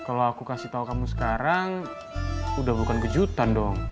kalau aku kasih tahu kamu sekarang udah bukan kejutan dong